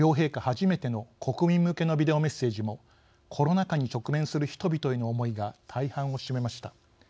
初めての国民向けのビデオメッセージもコロナ禍に直面する人々への思いが大半を占めました。